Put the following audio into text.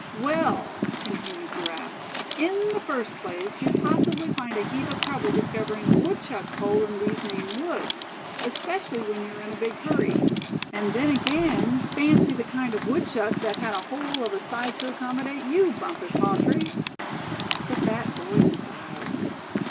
"Well," continued Giraffe, "in the first place you'd possibly find a heap of trouble discovering a woodchuck's hole in these Maine woods, especially when you were in a big hurry; and then again, fancy the kind of woodchuck that had a hole of a size to accommodate you, Bumpus Hawtree!" The fat boy sighed.